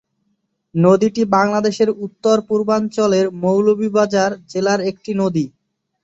নদীটি বাংলাদেশের উত্তর-পূর্বাঞ্চলের মৌলভীবাজার জেলার একটি নদী।